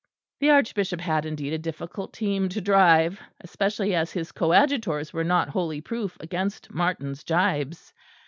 The Archbishop had indeed a difficult team to drive; especially as his coadjutors were not wholly proof against Martin's jibes.